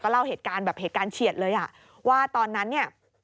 เล่าเหตุการณ์แบบเหตุการณ์เฉียดเลยอ่ะว่าตอนนั้นเนี่ย